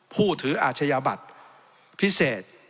ผู้ถืออาชญาบัตรพิเศษ